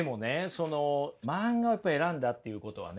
その漫画をやっぱ選んだっていうことはね